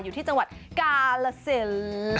อยู่ที่จังหวัดกาลสิน